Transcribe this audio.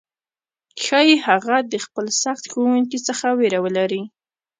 ښايي هغه د خپل سخت ښوونکي څخه ویره ولري،